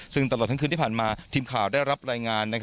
ซึ่งตลอดทั้งคืนที่ผ่านมาทีมข่าวได้รับรายงาน